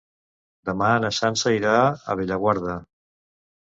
Demà na Sança irà a Bellaguarda.